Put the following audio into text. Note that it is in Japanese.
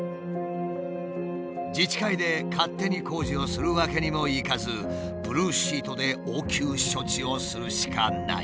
自治会で勝手に工事をするわけにもいかずブルーシートで応急処置をするしかない。